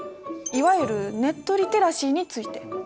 いわゆるネットリテラシーについて。